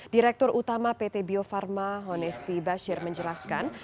direktur utama pt bio farma honesty bashir menjelaskan